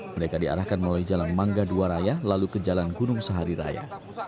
mereka diarahkan melalui jalan mangga dua raya lalu ke jalan gunung sehari raya